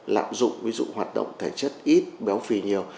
lạm dụng ví dụ hoạt động thể chất ít béo phì nhiều